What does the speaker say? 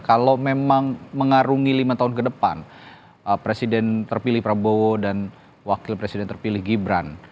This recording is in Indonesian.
kalau memang mengarungi lima tahun ke depan presiden terpilih prabowo dan wakil presiden terpilih gibran